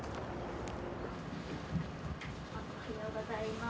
おはようございます。